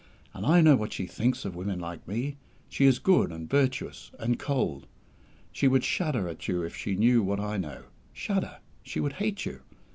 and I know what she thinks of women like me. She is good and virtuous and cold. She would shudder at you if she knew what I know. Shudder! She would hate you!